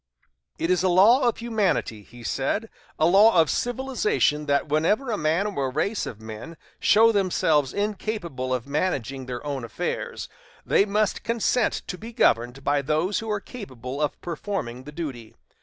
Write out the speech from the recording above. "It is a law of humanity," he said, "a law of civilization that whenever a man or a race of men show themselves incapable of managing their own affairs, they must consent to be governed by those who are capable of performing the duty....